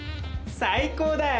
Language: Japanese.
最高だよ！